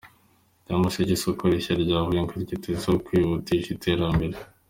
Nyamasheke Isoko rishya rya Buhinga ryitezweho kwihutisha iterambere